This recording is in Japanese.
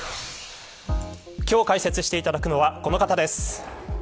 今日、解説をしていただくのはこの方です。